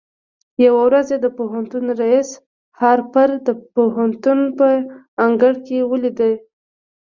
يوه ورځ يې د پوهنتون رئيس هارپر د پوهنتون په انګړ کې وليد.